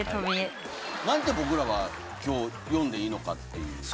何て僕らが今日呼んでいいのかっていう。